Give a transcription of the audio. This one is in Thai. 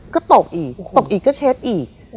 ก็ตกอีกก็เช็ดอีก